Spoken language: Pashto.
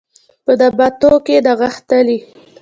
په نباتو کې نغښتلي